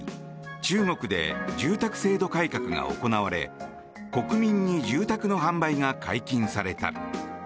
中国で住宅制度改革が行われ国民に住宅の販売が解禁された。